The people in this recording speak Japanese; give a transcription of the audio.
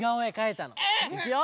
いくよ！